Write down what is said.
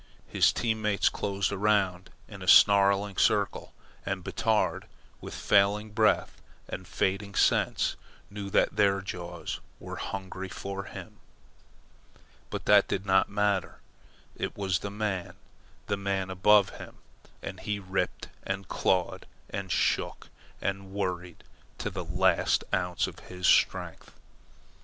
His team mates closed around in a snarling circle, and Batard, with failing breath and fading sense, knew that their jaws were hungry for him. But that did not matter it was the man, the man above him, and he ripped and clawed, and shook and worried, to the last ounce of his strength.